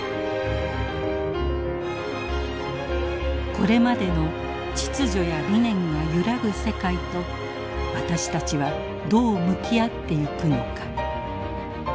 これまでの秩序や理念が揺らぐ世界と私たちはどう向き合っていくのか。